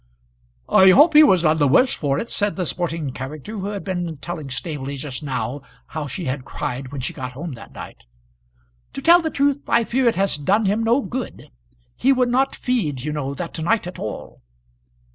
"I hope he was none the worse for it," said the sporting character who had been telling Staveley just now how she had cried when she got home that night. "To tell the truth, I fear it has done him no good. He would not feed, you know, that night at all."